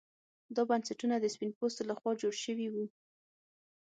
دا بنسټونه د سپین پوستو لخوا جوړ شوي وو.